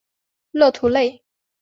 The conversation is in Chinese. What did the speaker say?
勒图雷。